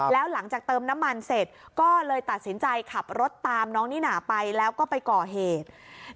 แล้วหลังจากเติมน้ำมันเสร็จก็เลยตัดสินใจขับรถตามน้องนิน่าไปแล้วก็ไปก่อเหตุ